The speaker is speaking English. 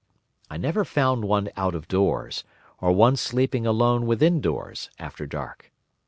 I never found one out of doors, or one sleeping alone within doors, after dark.